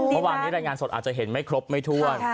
เมื่อวานนี้รายงานสดอาจจะเห็นไม่ครบไม่ถ้วน